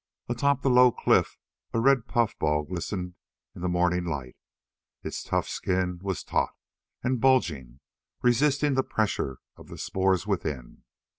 Atop the low cliff a red puffball glistened in the morning light. Its tough skin was taut and bulging, resisting the pressure of the spores within.